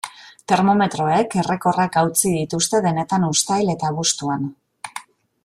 Termometroek errekorrak hautsi dituzte denetan uztail eta abuztuan.